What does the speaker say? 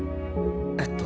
えっと。